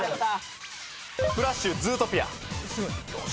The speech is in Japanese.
フラッシュズートピア。